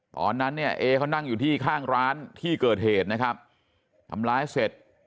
ตอนนั้นเนี่ยเอเขานั่งอยู่ที่ข้างร้านที่เกิดเหตุนะครับทำร้ายเสร็จ